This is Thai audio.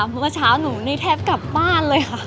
เพราะว่าเช้านุ่งเทพกลับบ้านเลยค่ะ